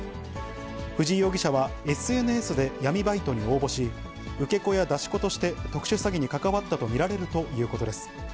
藤井容疑者はＳＮＳで闇バイトに応募し、受け子や出し子として特殊詐欺に関わったと見られるということです。